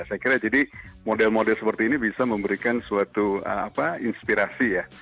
saya kira jadi model model seperti ini bisa memberikan suatu inspirasi ya